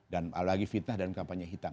dan apalagi fitnah dan kampanye hitam